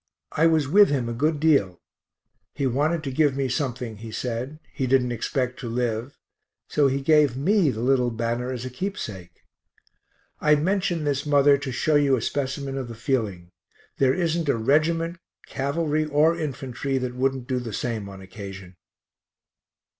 I was with him a good deal; he wanted to give me something, he said, he didn't expect to live, so he gave me the little banner as a keepsake. I mention this, mother, to show you a specimen of the feeling. There isn't a reg't, cavalry or infantry, that wouldn't do the same on occasion.